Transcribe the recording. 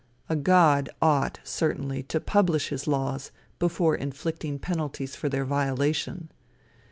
A god ought, certainly, to publish his laws before inflicting penalties for their violation.